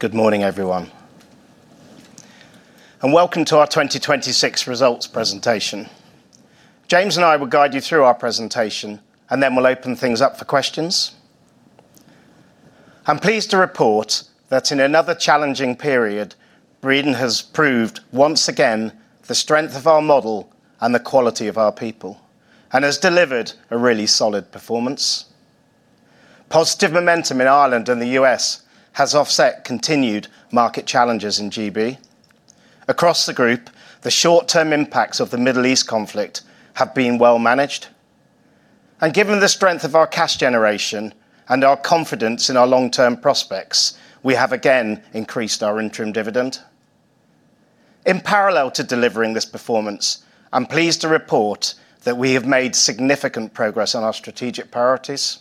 Good morning, everyone, and welcome to our 2026 results presentation. James and I will guide you through our presentation, then we'll open things up for questions. I'm pleased to report that in another challenging period, Breedon has proved once again the strength of our model and the quality of our people and has delivered a really solid performance. Positive momentum in Ireland and the U.S. has offset continued market challenges in G.B. Across the group, the short-term impacts of the Middle East conflict have been well managed. Given the strength of our cash generation and our confidence in our long-term prospects, we have again increased our interim dividend. In parallel to delivering this performance, I'm pleased to report that we have made significant progress on our strategic priorities.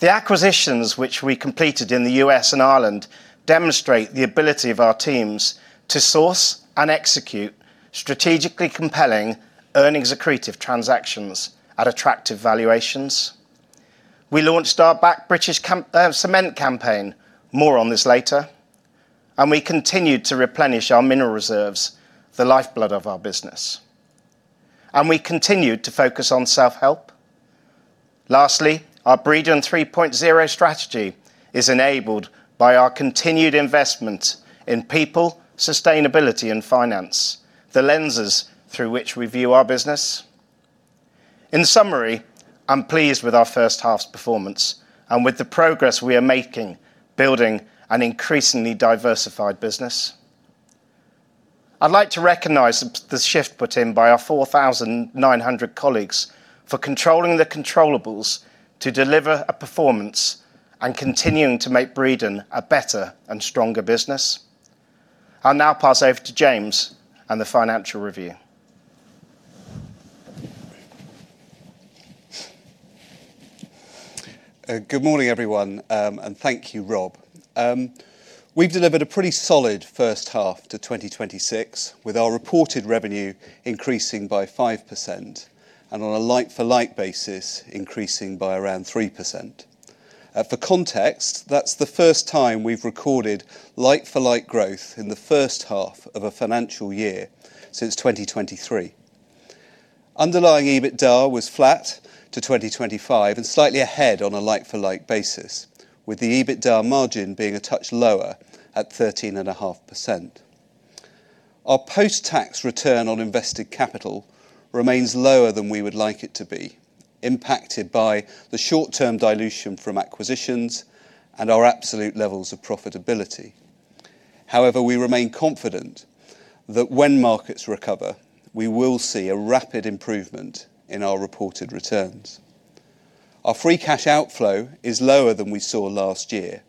The acquisitions which we completed in the U.S. and Ireland demonstrate the ability of our teams to source and execute strategically compelling earnings accretive transactions at attractive valuations. We launched our Back British Cement campaign. More on this later. We continued to replenish our mineral reserves, the lifeblood of our business. We continued to focus on self-help. Lastly, our Breedon 3.0 strategy is enabled by our continued investment in people, sustainability and finance, the lenses through which we view our business. In summary, I'm pleased with our first half's performance and with the progress we are making building an increasingly diversified business. I'd like to recognize the shift put in by our 4,900 colleagues for controlling the controllables to deliver a performance and continuing to make Breedon a better and stronger business. I'll now pass over to James and the financial review. Good morning, everyone, and thank you, Rob. We've delivered a pretty solid first half to 2026, with our reported revenue increasing by 5%, on a like-for-like basis, increasing by around 3%. For context, that's the first time we've recorded like-for-like growth in the first half of a financial year since 2023. Underlying EBITDA was flat to 2025 and slightly ahead on a like-for-like basis, with the EBITDA margin being a touch lower at 13.5%. Our post-tax return on invested capital remains lower than we would like it to be, impacted by the short-term dilution from acquisitions and our absolute levels of profitability. We remain confident that when markets recover, we will see a rapid improvement in our reported returns. Our free cash outflow is lower than we saw last year,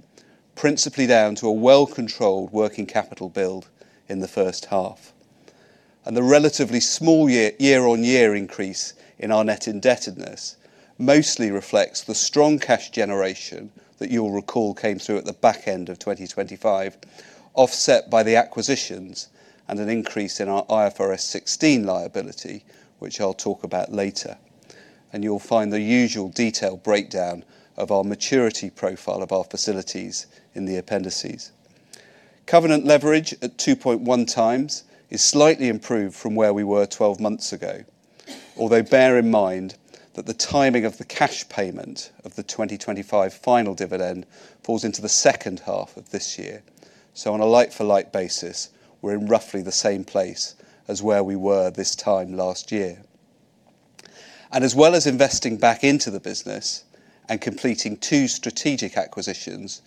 principally down to a well-controlled working capital build in the first half. The relatively small year-on-year increase in our net indebtedness mostly reflects the strong cash generation that you'll recall came through at the back end of 2025, offset by the acquisitions and an increase in our IFRS 16 liability, which I'll talk about later. You'll find the usual detailed breakdown of our maturity profile of our facilities in the appendices. Covenant leverage at 2.1x is slightly improved from where we were 12 months ago. Bear in mind that the timing of the cash payment of the 2025 final dividend falls into the second half of this year. On a like-for-like basis, we're in roughly the same place as where we were this time last year. As well as investing back into the business and completing two strategic acquisitions,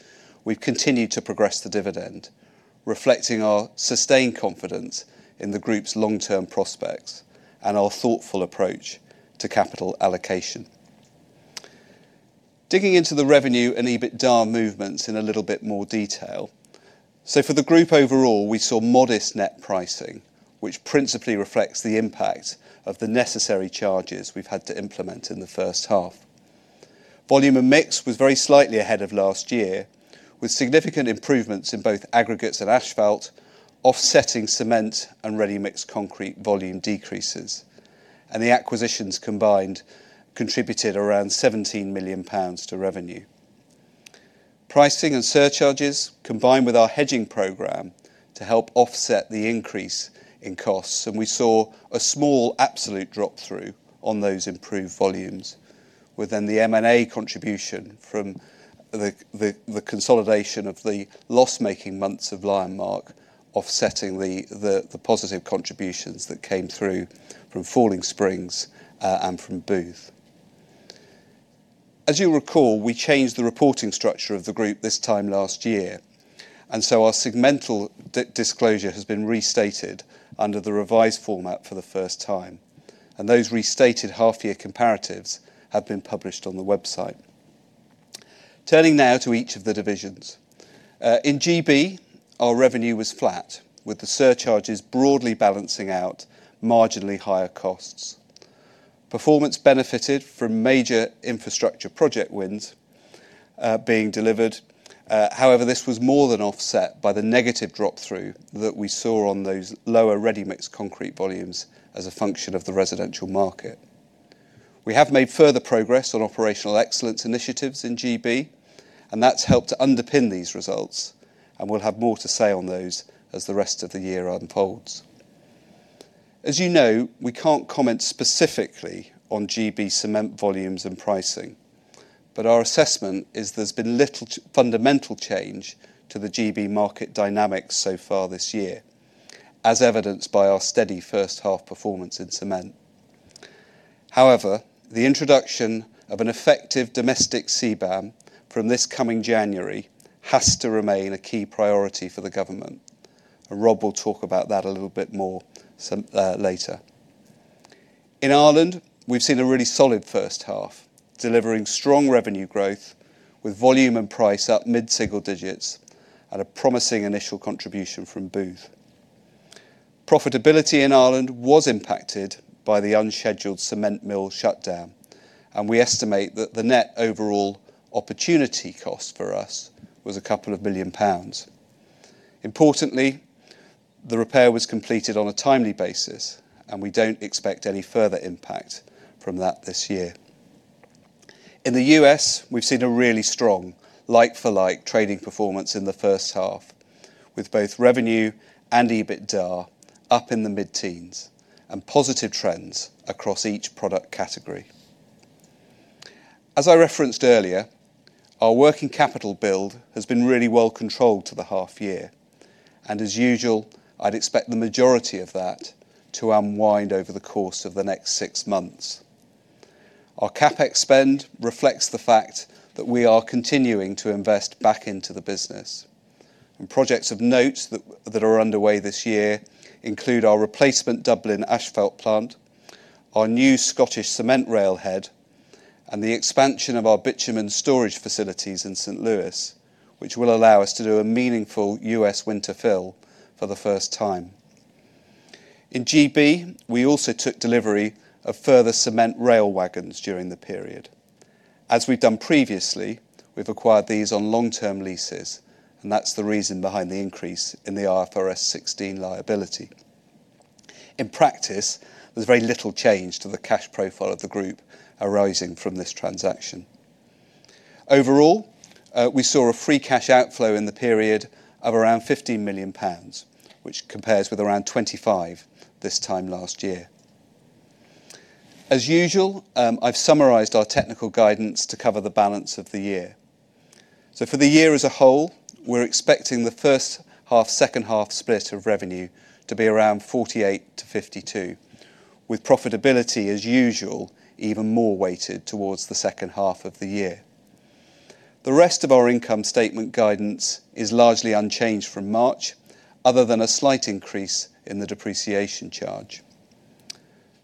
we've continued to progress the dividend, reflecting our sustained confidence in the group's long-term prospects and our thoughtful approach to capital allocation. Digging into the revenue and EBITDA movements in a little bit more detail. For the group overall, we saw modest net pricing, which principally reflects the impact of the necessary charges we've had to implement in the first half. Volume and mix was very slightly ahead of last year, with significant improvements in both aggregates and asphalt offsetting cement and ready-mix concrete volume decreases. The acquisitions combined contributed around 17 million pounds to revenue. Pricing and surcharges combined with our hedging program to help offset the increase in costs, and we saw a small absolute drop through on those improved volumes within the M&A contribution from the consolidation of the loss-making months of Lionmark offsetting the positive contributions that came through from Falling Springs and from Booth. As you recall, we changed the reporting structure of the group this time last year, our segmental disclosure has been restated under the revised format for the first time, and those restated half-year comparatives have been published on the website. Turning now to each of the divisions. In G.B., our revenue was flat, with the surcharges broadly balancing out marginally higher costs. Performance benefited from major infrastructure project wins being delivered. This was more than offset by the negative drop through that we saw on those lower ready-mix concrete volumes as a function of the residential market. We have made further progress on operational excellence initiatives in G.B., that's helped to underpin these results, and we'll have more to say on those as the rest of the year unfolds. As you know, we can't comment specifically on G.B. cement volumes and pricing, our assessment is there's been little fundamental change to the G.B. market dynamics so far this year, as evidenced by our steady first half performance in cement. The introduction of an effective domestic CBAM from this coming January has to remain a key priority for the government, Rob will talk about that a little bit more later. In Ireland, we've seen a really solid first half, delivering strong revenue growth with volume and price up mid-single digits and a promising initial contribution from Booth. Profitability in Ireland was impacted by the unscheduled cement mill shutdown, we estimate that the net overall opportunity cost for us was a couple of billion pounds. Importantly, the repair was completed on a timely basis, we don't expect any further impact from that this year. In the U.S., we've seen a really strong like-for-like trading performance in the first half, with both revenue and EBITDA up in the mid-teens and positive trends across each product category. As I referenced earlier, our working capital build has been really well controlled to the half year, as usual, I'd expect the majority of that to unwind over the course of the next six months. Our CapEx spend reflects the fact that we are continuing to invest back into the business. Projects of note that are underway this year include our replacement Dublin asphalt plant, our new Scottish cement rail head, and the expansion of our bitumen storage facilities in St. Louis, which will allow us to do a meaningful U.S. winter fill for the first time. In G.B., we also took delivery of further cement rail wagons during the period. As we've done previously, we've acquired these on long-term leases, and that's the reason behind the increase in the IFRS 16 liability. In practice, there was very little change to the cash profile of the group arising from this transaction. Overall, we saw a free cash outflow in the period of around 15 million pounds, which compares with around 25 million this time last year. As usual, I've summarized our technical guidance to cover the balance of the year. For the year as a whole, we're expecting the first half, second half split of revenue to be around 48%-52%, with profitability, as usual, even more weighted towards the second half of the year. The rest of our income statement guidance is largely unchanged from March, other than a slight increase in the depreciation charge.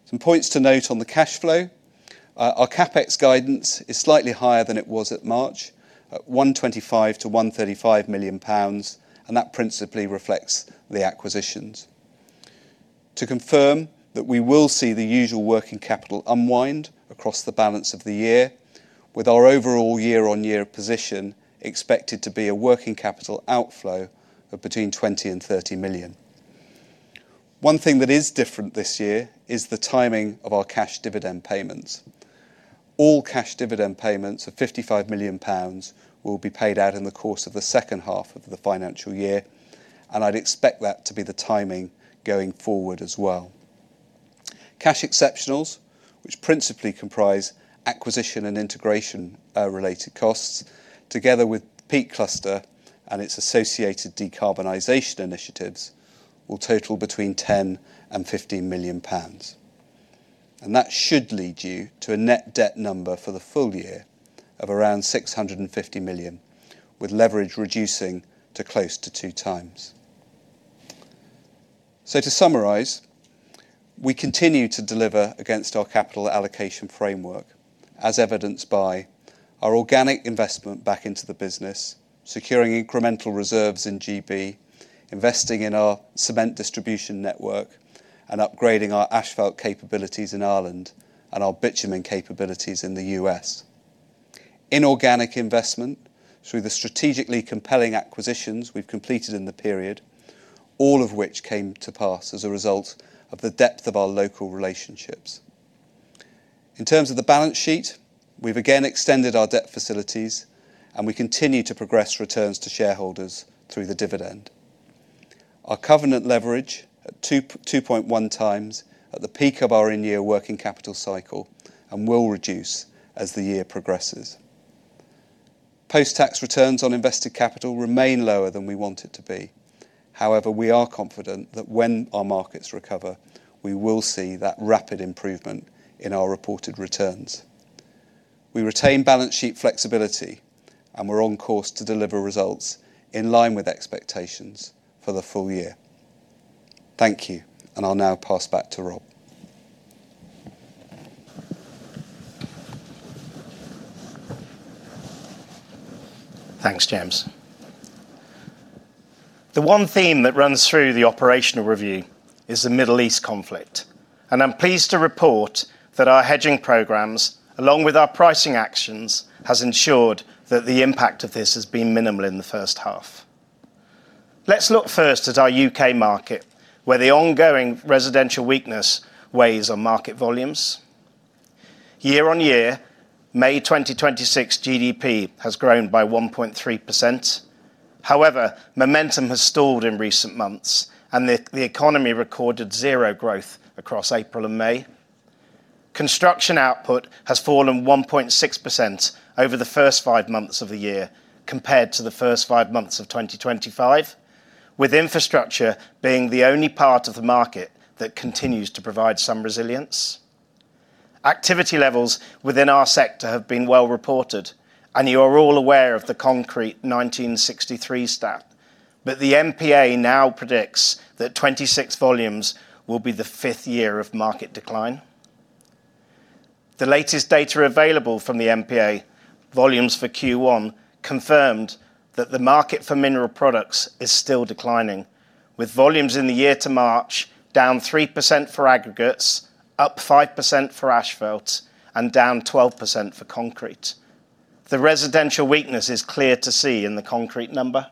Some points to note on the cash flow. Our CapEx guidance is slightly higher than it was at March, at 125 million-135 million pounds, that principally reflects the acquisitions. To confirm that we will see the usual working capital unwind across the balance of the year with our overall year-on-year position expected to be a working capital outflow of between 20 million and 30 million. One thing that is different this year is the timing of our cash dividend payments. All cash dividend payments of 55 million pounds will be paid out in the course of the second half of the financial year, I'd expect that to be the timing going forward as well. Cash exceptionals, which principally comprise acquisition and integration-related costs, together with Peak Cluster and its associated decarbonization initiatives, will total between 10 million and 15 million pounds. That should lead you to a net debt number for the full year of around 650 million, with leverage reducing to close to two times. To summarize, we continue to deliver against our capital allocation framework, as evidenced by our organic investment back into the business, securing incremental reserves in G.B., investing in our cement distribution network, and upgrading our asphalt capabilities in Ireland and our bitumen capabilities in the U.S. Inorganic investment through the strategically compelling acquisitions we've completed in the period, all of which came to pass as a result of the depth of our local relationships. In terms of the balance sheet, we've again extended our debt facilities, we continue to progress returns to shareholders through the dividend. Our covenant leverage at 2.1x at the peak of our in-year working capital cycle will reduce as the year progresses. Post-tax returns on invested capital remain lower than we want it to be. However, we are confident that when our markets recover, we will see that rapid improvement in our reported returns. We retain balance sheet flexibility, we're on course to deliver results in line with expectations for the full year. Thank you, I'll now pass back to Rob. Thanks, James. The one theme that runs through the operational review is the Middle East conflict. I'm pleased to report that our hedging programs, along with our pricing actions, has ensured that the impact of this has been minimal in the first half. Look first at our U.K. market, where the ongoing residential weakness weighs on market volumes. Year-on-year, May 2026 GDP has grown by 1.3%. Momentum has stalled in recent months, and the economy recorded zero growth across April and May. Construction output has fallen 1.6% over the first five months of the year compared to the first five months of 2025, with infrastructure being the only part of the market that continues to provide some resilience. Activity levels within our sector have been well reported, and you are all aware of the concrete 1963 stat, but the MPA now predicts that 2026 volumes will be the fifth year of market decline. The latest data available from the MPA, volumes for Q1 confirmed that the market for mineral products is still declining, with volumes in the year to March down 3% for aggregates, up 5% for asphalts, and down 12% for concrete. The residential weakness is clear to see in the concrete number.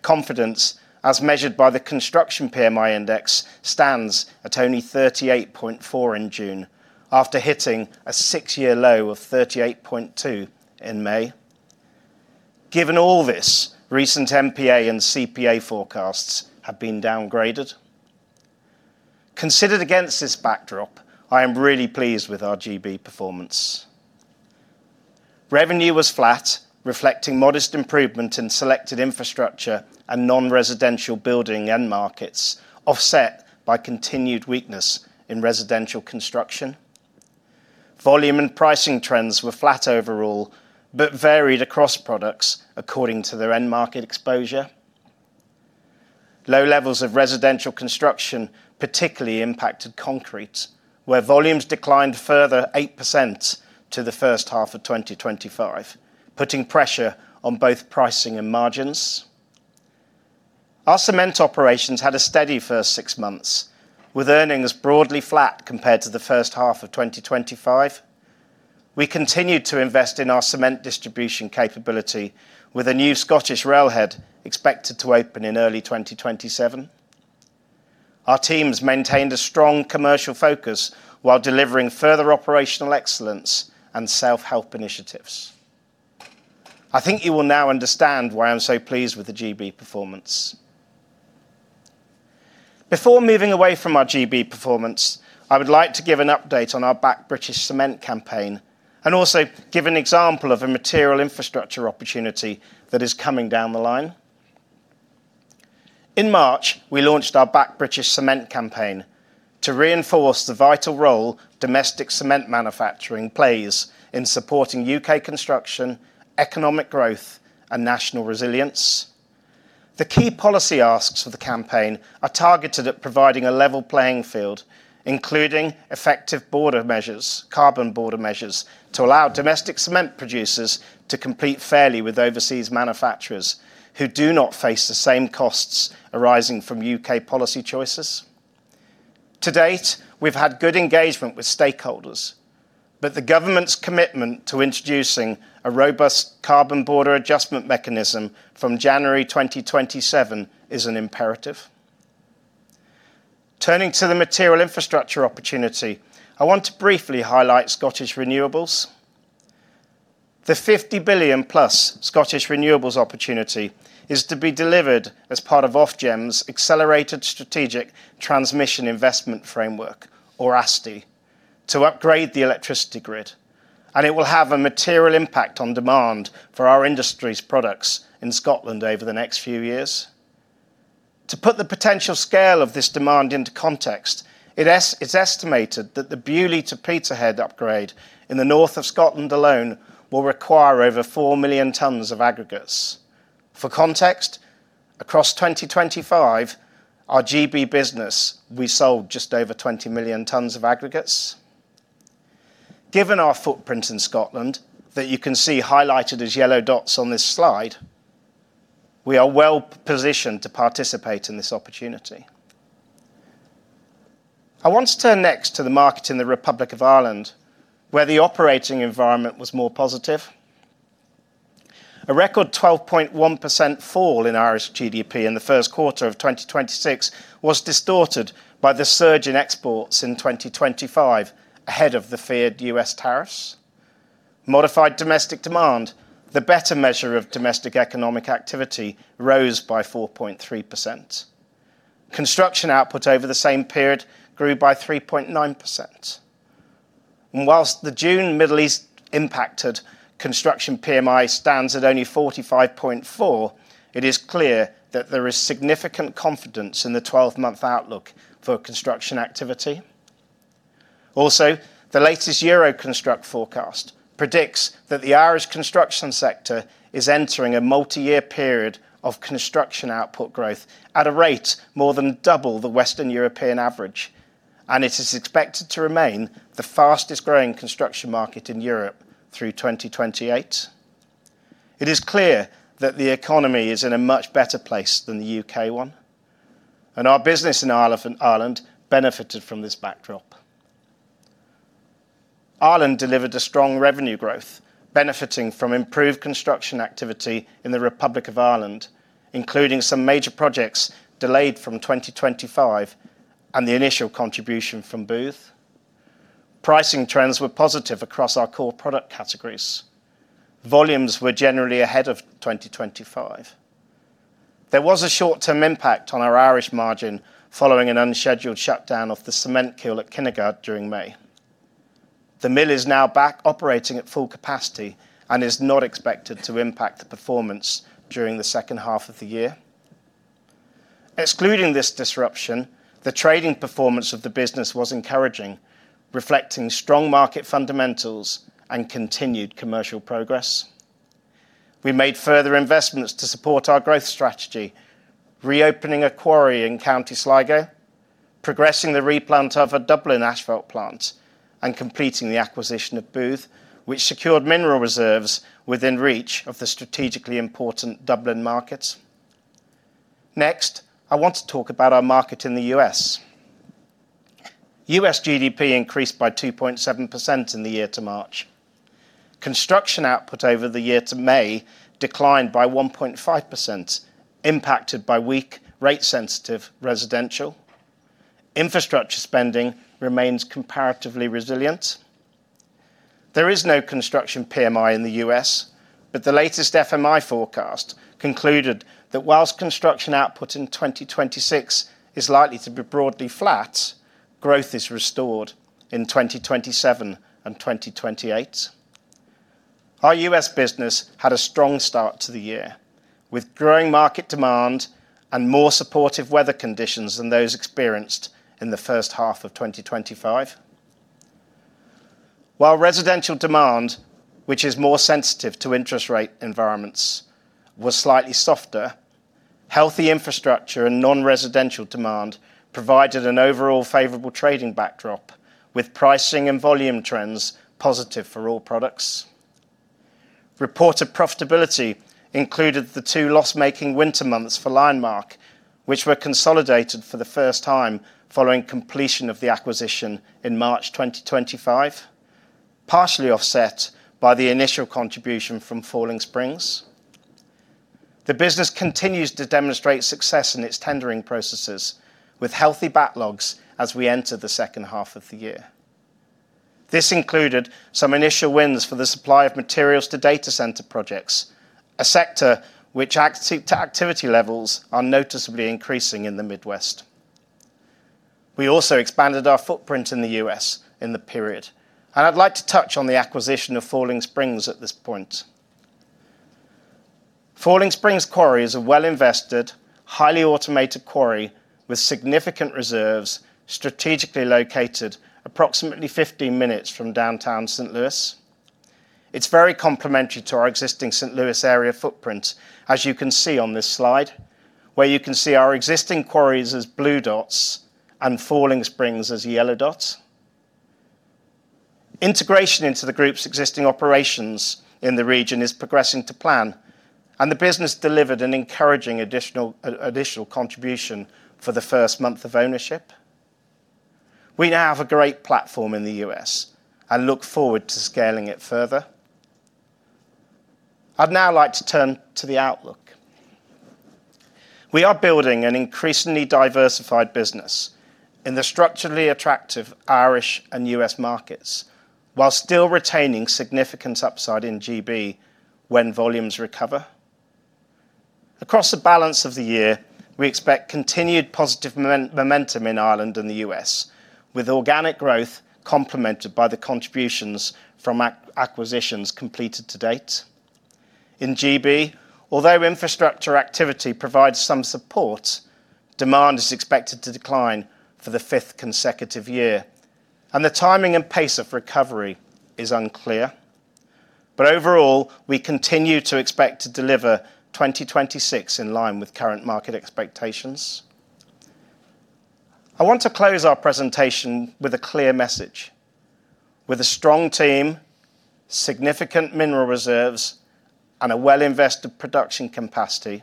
Confidence, as measured by the Construction PMI Index, stands at only 38.4 in June, after hitting a six-year low of 38.2 in May. Given all this, recent MPA and CPA forecasts have been downgraded. Considered against this backdrop, I am really pleased with our G.B. performance. Revenue was flat, reflecting modest improvement in selected infrastructure and non-residential building end markets, offset by continued weakness in residential construction. Volume and pricing trends were flat overall, but varied across products according to their end market exposure. Low levels of residential construction particularly impacted concrete, where volumes declined further 8% to the first half of 2025, putting pressure on both pricing and margins. Our cement operations had a steady first six months, with earnings broadly flat compared to the first half of 2025. We continued to invest in our cement distribution capability with a new Scottish rail head expected to open in early 2027. Our teams maintained a strong commercial focus while delivering further operational excellence and self-help initiatives. I think you will now understand why I'm so pleased with the G.B. performance. Before moving away from our G.B. performance, I would like to give an update on our Back British Cement campaign and also give an example of a material infrastructure opportunity that is coming down the line. In March, we launched our Back British Cement campaign to reinforce the vital role domestic cement manufacturing plays in supporting U.K. construction, economic growth, and national resilience. The key policy asks for the campaign are targeted at providing a level playing field, including effective border measures, carbon border measures, to allow domestic cement producers to compete fairly with overseas manufacturers who do not face the same costs arising from U.K. policy choices. To date, we've had good engagement with stakeholders, but the government's commitment to introducing a robust Carbon Border Adjustment Mechanism from January 2027 is an imperative. Turning to the material infrastructure opportunity, I want to briefly highlight Scottish renewables. The 50+ billion Scottish renewables opportunity is to be delivered as part of Ofgem's Accelerated Strategic Transmission Investment framework, or ASTI, to upgrade the electricity grid, and it will have a material impact on demand for our industry's products in Scotland over the next few years. To put the potential scale of this demand into context, it's estimated that the Beauly to Peterhead upgrade in the north of Scotland alone will require over 4 million tons of aggregates. For context, across 2025, our G.B. business, we sold just over 20 million tons of aggregates. Given our footprint in Scotland that you can see highlighted as yellow dots on this slide, we are well-positioned to participate in this opportunity. I want to turn next to the market in the Republic of Ireland, where the operating environment was more positive. A record 12.1% fall in Irish GDP in the first quarter of 2026 was distorted by the surge in exports in 2025 ahead of the feared U.S. tariffs. Modified domestic demand, the better measure of domestic economic activity, rose by 4.3%. Construction output over the same period grew by 3.9%. Whilst the June Middle East impacted Construction PMI stands at only 45.4, it is clear that there is significant confidence in the 12-month outlook for construction activity. Also, the latest Euroconstruct forecast predicts that the Irish construction sector is entering a multi-year period of construction output growth at a rate more than double the Western European average, and it is expected to remain the fastest growing construction market in Europe through 2028. It is clear that the economy is in a much better place than the U.K. one, and our business in Ireland benefited from this backdrop. Ireland delivered a strong revenue growth benefiting from improved construction activity in the Republic of Ireland, including some major projects delayed from 2025 and the initial contribution from Booth. Pricing trends were positive across our core product categories. Volumes were generally ahead of 2025. There was a short-term impact on our Irish margin following an unscheduled shutdown of the cement kiln at Kinnegad during May. The mill is now back operating at full capacity and is not expected to impact the performance during the second half of the year. Excluding this disruption, the trading performance of the business was encouraging, reflecting strong market fundamentals and continued commercial progress. We made further investments to support our growth strategy, reopening a quarry in County Sligo, progressing the replant of a Dublin asphalt plant, and completing the acquisition of Booth, which secured mineral reserves within reach of the strategically important Dublin markets. Next, I want to talk about our market in the U.S. U.S. GDP increased by 2.7% in the year to March. Construction output over the year to May declined by 1.5%, impacted by weak rate-sensitive residential. Infrastructure spending remains comparatively resilient. There is no Construction PMI in the U.S., but the latest FMI forecast concluded that whilst construction output in 2026 is likely to be broadly flat, growth is restored in 2027 and 2028. Our U.S. business had a strong start to the year, with growing market demand and more supportive weather conditions than those experienced in the first half of 2025. While residential demand, which is more sensitive to interest rate environments, was slightly softer, healthy infrastructure and non-residential demand provided an overall favorable trading backdrop with pricing and volume trends positive for all products. Reported profitability included the two loss-making winter months for Lionmark, which were consolidated for the first time following completion of the acquisition in March 2025, partially offset by the initial contribution from Falling Springs. The business continues to demonstrate success in its tendering processes with healthy backlogs as we enter the second half of the year. This included some initial wins for the supply of materials to data center projects, a sector which activity levels are noticeably increasing in the Midwest. We also expanded our footprint in the U.S. in the period, and I'd like to touch on the acquisition of Falling Springs at this point. Falling Springs Quarry is a well-invested, highly automated quarry with significant reserves, strategically located approximately 15 minutes from downtown St. Louis. It's very complementary to our existing St. Louis area footprint, as you can see on this slide, where you can see our existing quarries as blue dots and Falling Springs as yellow dots. Integration into the group's existing operations in the region is progressing to plan, and the business delivered an encouraging additional contribution for the first month of ownership. We now have a great platform in the U.S. and look forward to scaling it further. I'd now like to turn to the outlook. We are building an increasingly diversified business in the structurally attractive Irish and U.S. markets, while still retaining significant upside in G.B. when volumes recover. Across the balance of the year, we expect continued positive momentum in Ireland and the U.S. with organic growth complemented by the contributions from acquisitions completed to date. In G.B., although infrastructure activity provides some support, demand is expected to decline for the fifth consecutive year, and the timing and pace of recovery is unclear. Overall, we continue to expect to deliver 2026 in line with current market expectations. I want to close our presentation with a clear message. With a strong team, significant mineral reserves, and a well-invested production capacity,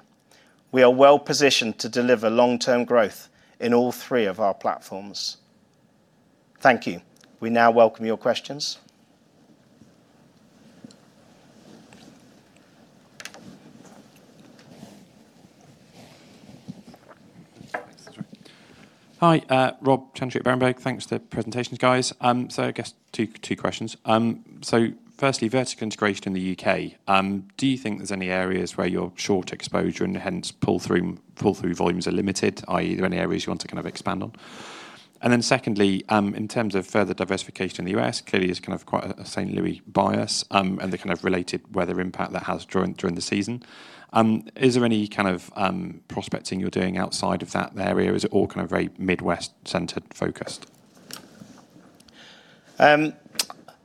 we are well positioned to deliver long-term growth in all three of our platforms. Thank you. We now welcome your questions. Hi. Rob Chantry, Berenberg. Thanks for the presentations, guys. I guess two questions. Firstly, vertical integration in the U.K. Do you think there's any areas where you're short exposure and hence pull through volumes are limited, i.e are there any areas you want to kind of expand on? Secondly, in terms of further diversification in the U.S., clearly there's kind of quite a St. Louis bias, and the kind of related weather impact that has during the season. Is there any kind of prospecting you're doing outside of that area? Is it all kind of very Midwest centered focused?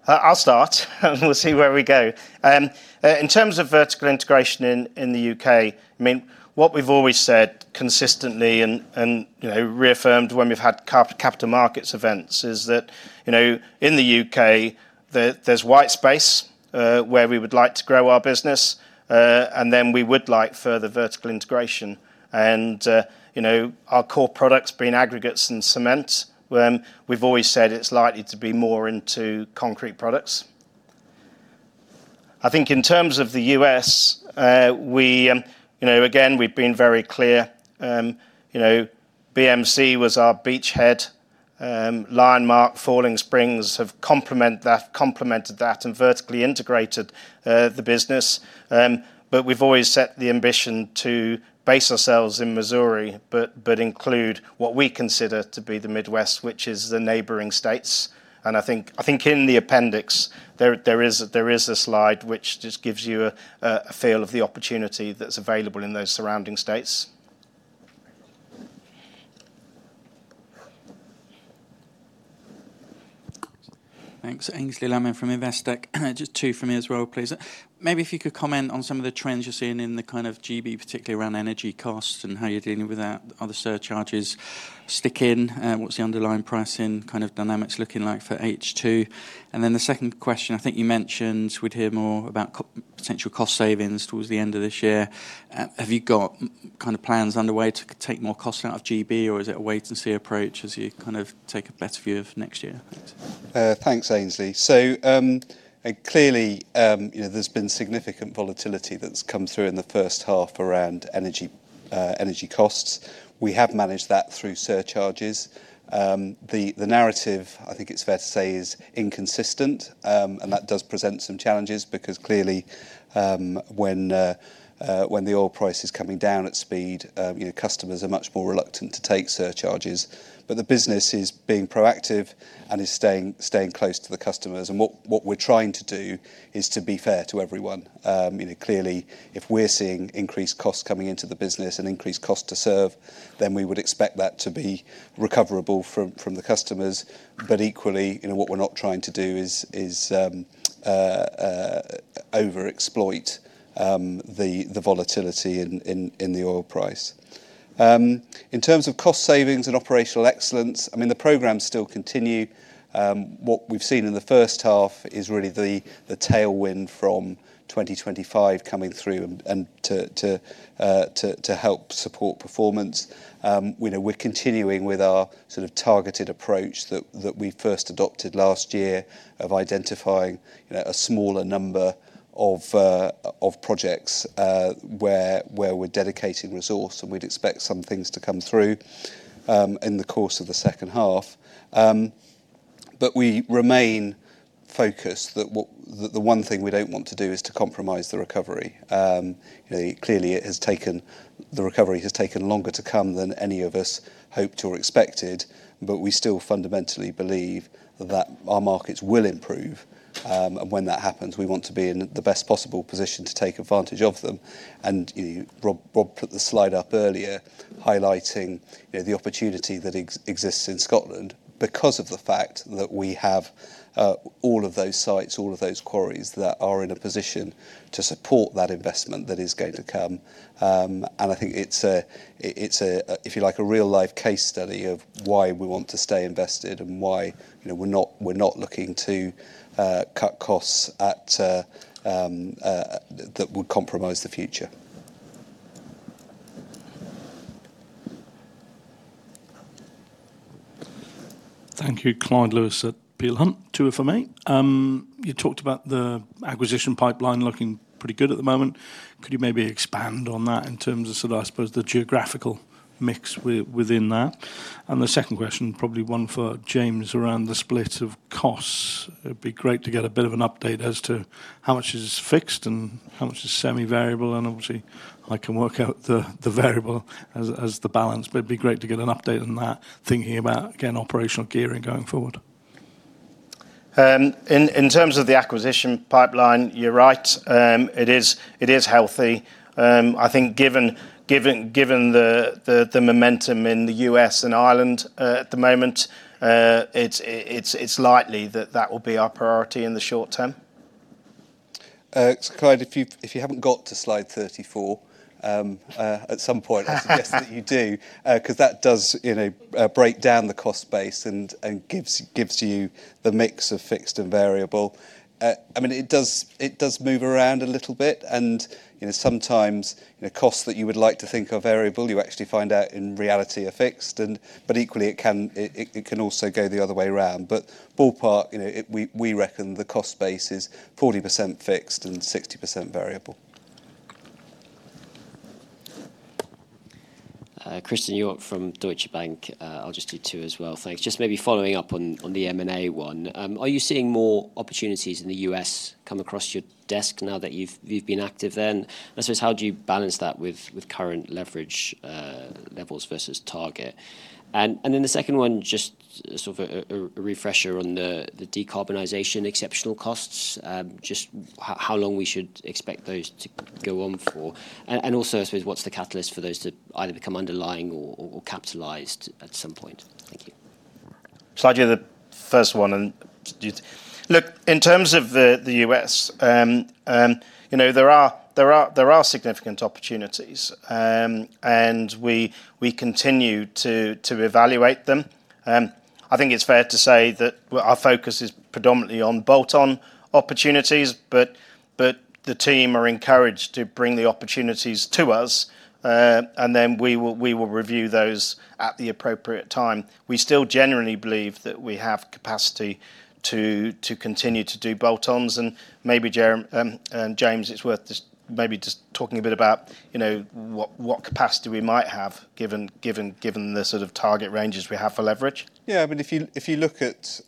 I'll start and we'll see where we go. In terms of vertical integration in the U.K., what we've always said consistently and reaffirmed when we've had capital markets events is that, in the U.K., there's white space where we would like to grow our business, and then we would like further vertical integration. Our core products being aggregates and cement, we've always said it's likely to be more into concrete products. In terms of the U.S., again, we've been very clear. BMC was our beachhead. Lionmark, Falling Springs Quarry have complemented that and vertically integrated the business. We've always set the ambition to base ourselves in Missouri, but include what we consider to be the Midwest, which is the neighboring states. In the appendix, there is a slide which just gives you a feel of the opportunity that's available in those surrounding states. Thanks. Aynsley Lammin from Investec. Just two from me as well, please. Maybe if you could comment on some of the trends you're seeing in the kind of G.B., particularly around energy costs and how you're dealing with that. Are the surcharges sticking? What's the underlying pricing kind of dynamics looking like for H2? The second question, you mentioned we'd hear more about potential cost savings towards the end of this year. Have you got plans underway to take more cost out of G.B., or is it a wait and see approach as you take a better view of next year? Thanks, Aynsley. Clearly, there's been significant volatility that's come through in the first half around energy costs. We have managed that through surcharges. The narrative, it's fair to say, is inconsistent, and that does present some challenges because clearly, when the oil price is coming down at speed, customers are much more reluctant to take surcharges. The business is being proactive and is staying close to the customers. What we're trying to do is to be fair to everyone. Clearly, if we're seeing increased costs coming into the business and increased cost to serve, then we would expect that to be recoverable from the customers. Equally, what we're not trying to do is overexploit the volatility in the oil price. In terms of cost savings and operational excellence, the programs still continue. What we've seen in the first half is really the tailwind from 2025 coming through and to help support performance. We're continuing with our targeted approach that we first adopted last year of identifying a smaller number of projects where we're dedicating resource, and we'd expect some things to come through in the course of the second half. We remain focused, that the one thing we don't want to do is to compromise the recovery. Clearly, the recovery has taken longer to come than any of us hoped or expected, but we still fundamentally believe that our markets will improve. When that happens, we want to be in the best possible position to take advantage of them. Rob put the slide up earlier highlighting the opportunity that exists in Scotland because of the fact that we have all of those sites, all of those quarries that are in a position to support that investment that is going to come. I think it's, if you like, a real-life case study of why we want to stay invested and why we're not looking to cut costs that would compromise the future. Thank you. Clyde Lewis at Peel Hunt. Two from me. You talked about the acquisition pipeline looking pretty good at the moment. Could you maybe expand on that in terms of, I suppose, the geographical mix within that? The second question, probably one for James, around the split of costs. It'd be great to get a bit of an update as to how much is fixed and how much is semi-variable, and obviously I can work out the variable as the balance. It'd be great to get an update on that, thinking about, again, operational gearing going forward. In terms of the acquisition pipeline, you're right. It is healthy. I think given the momentum in the U.S. and Ireland at the moment, it's likely that that will be our priority in the short term. Clyde, if you haven't got to slide 34, at some point. I suggest that you do, because that does break down the cost base and gives you the mix of fixed and variable. It does move around a little bit, and sometimes costs that you would like to think are variable, you actually find out in reality are fixed. Equally, it can also go the other way around. Ballpark, we reckon the cost base is 40% fixed and 60% variable. Christian York from Deutsche Bank. I'll just do two as well. Thanks. Just maybe following up on the M&A one. Are you seeing more opportunities in the U.S. come across your desk now that you've been active then? I suppose how do you balance that with current leverage levels versus target? The second one, just a refresher on the decarbonization exceptional costs. Just how long we should expect those to go on for. Also, I suppose, what's the catalyst for those to either become underlying or capitalized at some point? Thank you. I'll do the first one. Look, in terms of the U.S., there are significant opportunities. We continue to evaluate them. I think it's fair to say that our focus is predominantly on bolt-on opportunities, the team are encouraged to bring the opportunities to us, we will review those at the appropriate time. We still genuinely believe that we have capacity to continue to do bolt-ons, maybe, James, it's worth just maybe just talking a bit about what capacity we might have given the sort of target ranges we have for leverage. Yeah. If you look at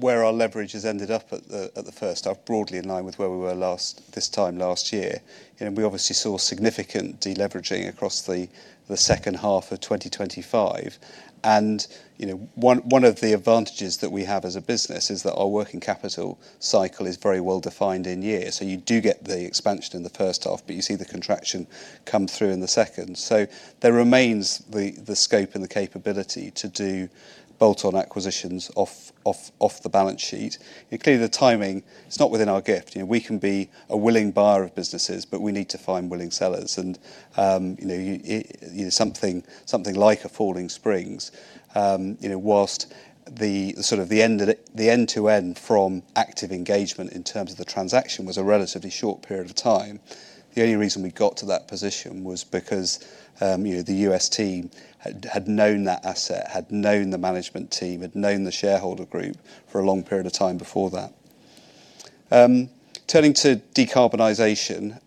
where our leverage has ended up at the first half, broadly in line with where we were this time last year. We obviously saw significant de-leveraging across the second half of 2025. One of the advantages that we have as a business is that our working capital cycle is very well-defined in year. You do get the expansion in the first half, you see the contraction come through in the second. There remains the scope and the capability to do bolt-on acquisitions off the balance sheet. Clearly, the timing is not within our gift. We can be a willing buyer of businesses, we need to find willing sellers. Something like a Falling Springs, whilst the end-to-end from active engagement in terms of the transaction was a relatively short period of time, the only reason we got to that position was because the U.S. team had known that asset, had known the management team, had known the shareholder group for a long period of time before that. Turning to decarbonization.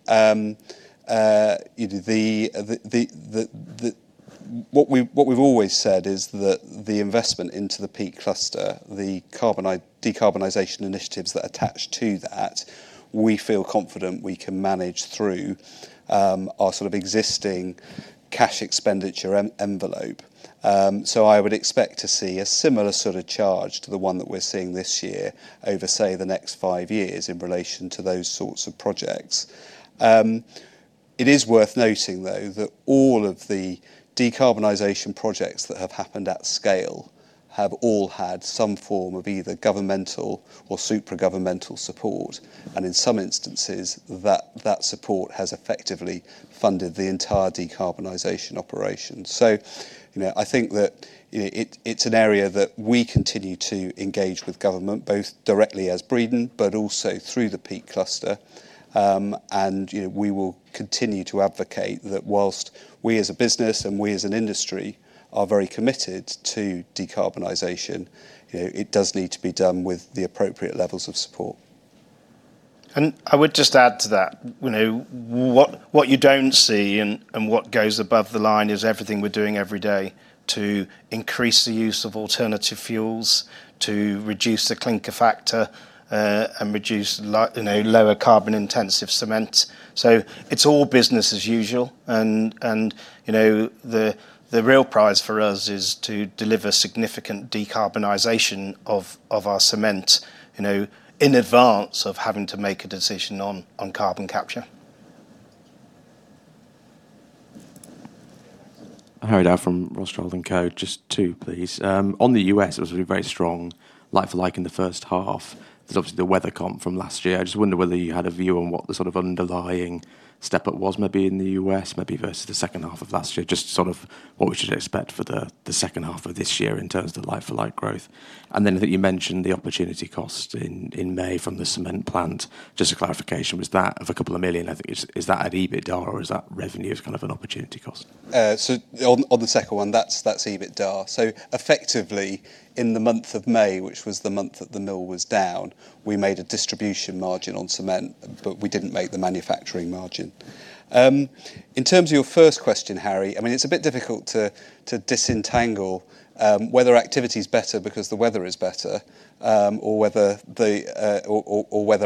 What we've always said is that the investment into the Peak Cluster, the decarbonization initiatives that attach to that, we feel confident we can manage through our existing cash expenditure envelope. I would expect to see a similar sort of charge to the one that we're seeing this year over, say, the next five years in relation to those sorts of projects. It is worth noting, though, that all of the decarbonization projects that have happened at scale have all had some form of either governmental or supra-governmental support, and in some instances, that support has effectively funded the entire decarbonization operation. I think that it's an area that we continue to engage with government, both directly as Breedon, but also through the Peak Cluster. We will continue to advocate that whilst we as a business and we as an industry are very committed to decarbonization, it does need to be done with the appropriate levels of support. I would just add to that. What you don't see and what goes above the line is everything we're doing every day to increase the use of alternative fuels, to reduce the clinker factor, and lower carbon-intensive cement. It's all business as usual. The real prize for us is to deliver significant decarbonization of our cement in advance of having to make a decision on carbon capture. Harry Dow from Rothschild & Co. Just two, please. On the U.S., it was really very strong like for like in the first half. There's obviously the weather comp from last year. I just wonder whether you had a view on what the sort of underlying step-up was maybe in the U.S., maybe versus the second half of last year, just sort of what we should expect for the second half of this year in terms of like-for-like growth. Then I think you mentioned the opportunity cost in May from the cement plant. Just a clarification, was that of a couple of million, I think. Is that at EBITDA or is that revenue as kind of an opportunity cost? On the second one, that's EBITDA. Effectively, in the month of May, which was the month that the mill was down, we made a distribution margin on cement, but we didn't make the manufacturing margin. In terms of your first question, Harry, it's a bit difficult to disentangle whether activity is better because the weather is better, or whether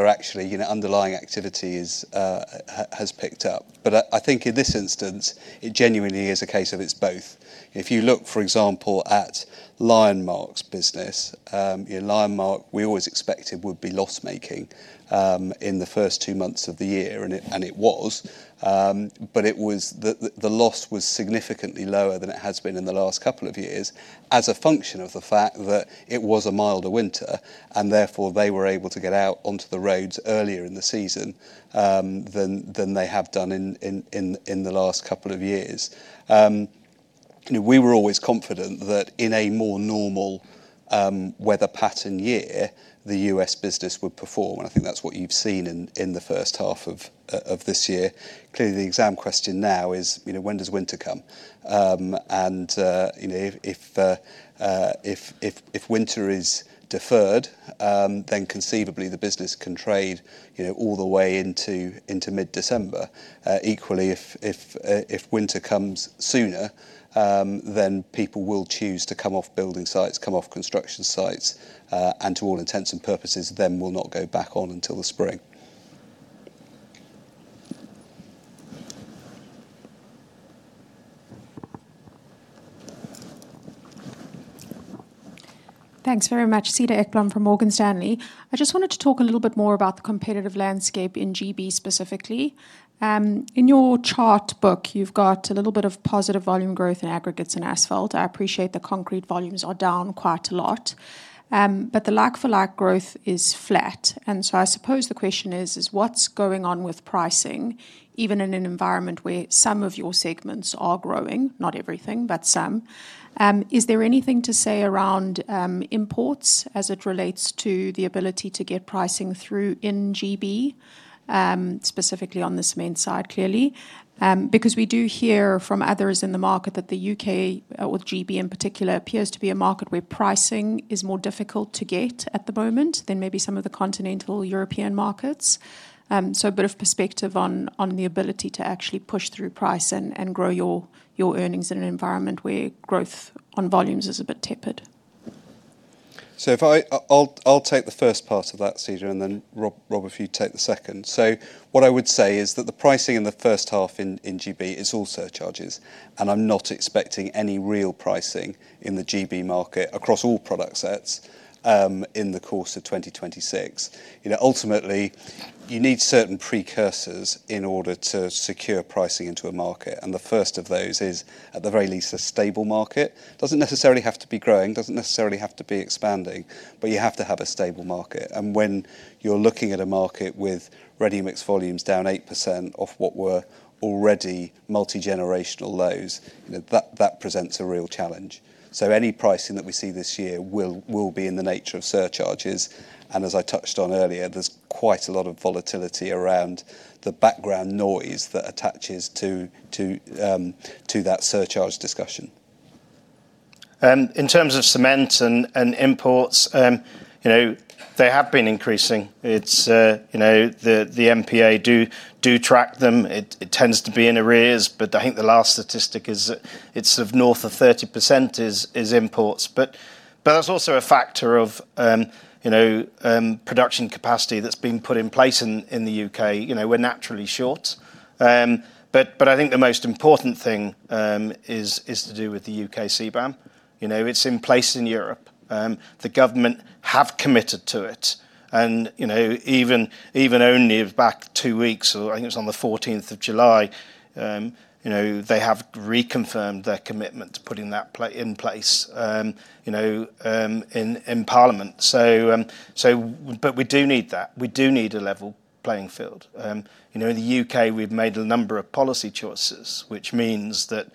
actually underlying activity has picked up. I think in this instance, it genuinely is a case of it's both. If you look, for example, at Lionmark's business. Lionmark, we always expected would be loss-making in the first two months of the year, and it was. The loss was significantly lower than it has been in the last couple of years as a function of the fact that it was a milder winter, and therefore they were able to get out onto the roads earlier in the season than they have done in the last couple of years. We were always confident that in a more normal weather pattern year, the U.S. business would perform. I think that's what you've seen in the first half of this year. Clearly, the exam question now is: When does winter come? If winter is deferred, conceivably the business can trade all the way into mid-December. Equally, if winter comes sooner, people will choose to come off building sites, come off construction sites, and to all intents and purposes, will not go back on until the spring. Thanks very much. Cedar Ekblom from Morgan Stanley. I just wanted to talk a little bit more about the competitive landscape in G.B. specifically. In your chart book, you've got a little bit of positive volume growth in aggregates and asphalt. I appreciate the concrete volumes are down quite a lot. The like-for-like growth is flat. I suppose the question is, what's going on with pricing, even in an environment where some of your segments are growing? Not everything, but some. Is there anything to say around imports as it relates to the ability to get pricing through in G.B., specifically on the cement side, clearly? Because we do hear from others in the market that the U.K. or G.B. in particular appears to be a market where pricing is more difficult to get at the moment than maybe some of the continental European markets. A bit of perspective on the ability to actually push through price and grow your earnings in an environment where growth on volumes is a bit tepid. I'll take the first part of that, Cedar, and Rob, if you take the second. What I would say is that the pricing in the first half in G.B. is all surcharges, I'm not expecting any real pricing in the G.B. market across all product sets in the course of 2026. Ultimately, you need certain precursors in order to secure pricing into a market, the first of those is, at the very least, a stable market. Doesn't necessarily have to be growing, doesn't necessarily have to be expanding, you have to have a stable market. When you're looking at a market with ready-mix volumes down 8% off what were already multigenerational lows, that presents a real challenge. Any pricing that we see this year will be in the nature of surcharges, and as I touched on earlier, there's quite a lot of volatility around the background noise that attaches to that surcharge discussion. In terms of cement and imports, they have been increasing. The MPA do track them. It tends to be in arrears, but I think the last statistic is it's of north of 30% is imports. That's also a factor of production capacity that's been put in place in the U.K. We're naturally short. I think the most important thing is to do with the U.K. CBAM. It's in place in Europe. The government have committed to it, and even only back two weeks, or I think it was on the 14th of July, they have reconfirmed their commitment to putting that in place in Parliament. We do need that. We do need a level playing field. In the U.K., we've made a number of policy choices, which means that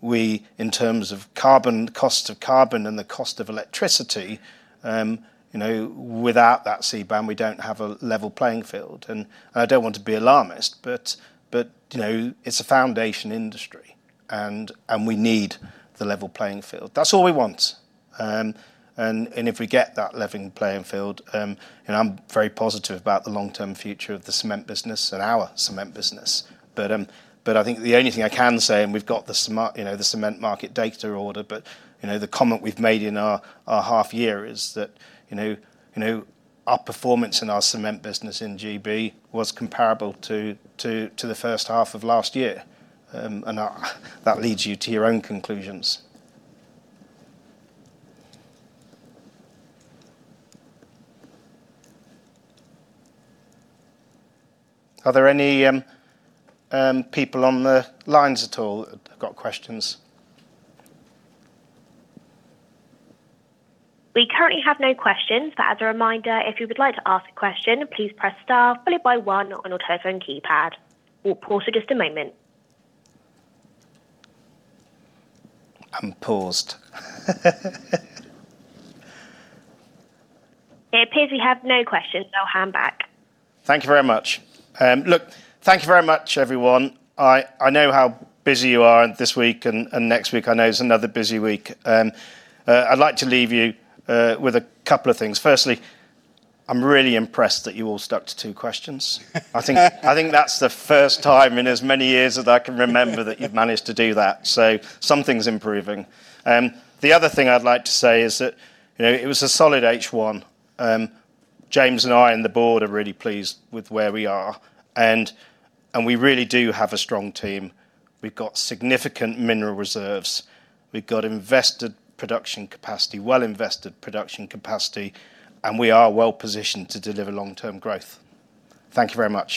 we, in terms of cost of carbon and the cost of electricity, without that CBAM, we don't have a level playing field. I don't want to be alarmist, but it's a foundation industry, and we need the level playing field. That's all we want. If we get that level playing field, I'm very positive about the long-term future of the cement business and our cement business. I think the only thing I can say, and we've got the Cement Market Data Order, but the comment we've made in our half year is that our performance in our cement business in G.B. was comparable to the first half of last year, and that leads you to your own conclusions. Are there any people on the lines at all that have got questions? We currently have no questions, as a reminder, if you would like to ask a question, please press star followed by one on your telephone keypad. We'll pause for just a moment. I'm paused. It appears we have no questions. I'll hand back. Thank you very much. Look, thank you very much, everyone. I know how busy you are this week, and next week I know is another busy week. I'd like to leave you with a couple of things. Firstly, I'm really impressed that you all stuck to two questions. I think that's the first time in as many years as I can remember that you've managed to do that, so something's improving. The other thing I'd like to say is that it was a solid H1. James and I and the board are really pleased with where we are, and we really do have a strong team. We've got significant mineral reserves. We've got invested production capacity, well-invested production capacity, and we are well-positioned to deliver long-term growth. Thank you very much